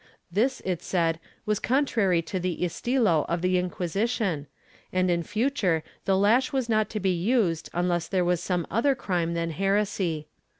This, it said, was contrary to the estilo of the Inquisition, and in future the lash was not to be used unless there was some other crime than heresy.